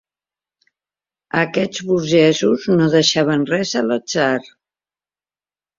Aquells burgesos no deixaven res a l'atzar.